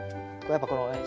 やっぱこのね